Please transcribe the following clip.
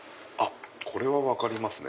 これは分かりますね